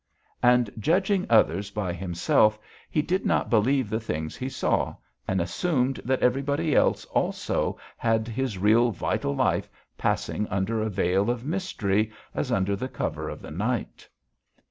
And, judging others by himself, he did not believe the things he saw, and assumed that everybody else also had his real vital life passing under a veil of mystery as under the cover of the night.